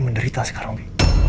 menderita sekarang bi